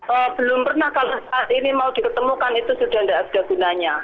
oh belum pernah kalau saat ini mau diketemukan itu sudah tidak ada gunanya